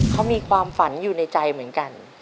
เขามีความฝันอยู่ในใจเหมือนกัน